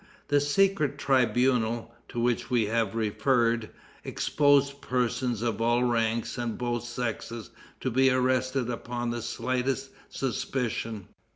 The secret tribunal, to which we have referred, exposed persons of all ranks and both sexes to be arrested upon the slightest suspicion.